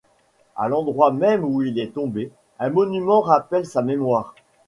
A l’endroit même où il est tombé, un monument rappelle sa mémoire.